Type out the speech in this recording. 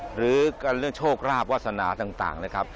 หรือกันเรื่องโชคราบวาสนาต่างนะครับ